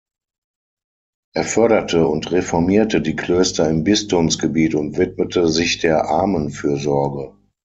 Er förderte und reformierte die Klöster im Bistumsgebiet und widmete sich der Armenfürsorge.